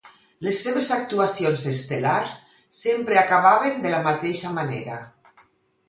Les seves actuacions estel·lars sempre acabaven de la mateixa manera.